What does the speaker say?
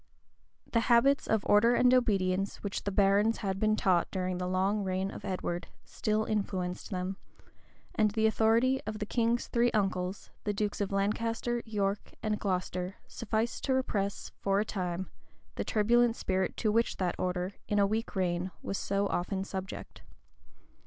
The habits of order and obedience which the barons had been taught, during the long reign of Edward, still influenced them; and the authority of the king's three uncles, the dukes of Lancaster, York, and Glocester, sufficed to repress, for a time, the turbulent spirit to which that order, in a weak reign, was so often subject.